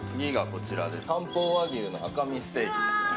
漢方和牛の赤身ステーキですね。